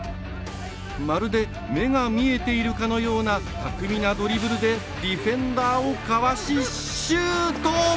まるで目が見えているかのような巧みなドリブルでディフェンダーをかわしシュート。